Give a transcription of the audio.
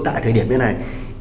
tại thời điểm như thế này